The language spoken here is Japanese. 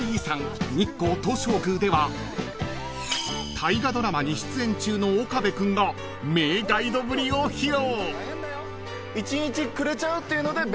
［大河ドラマに出演中の岡部君が名ガイドぶりを披露］